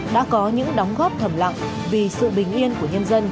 đã có những đóng góp thầm lặng vì sự bình yên của nhân dân